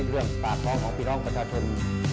เรื่องปากท้องของพี่น้องประชาชน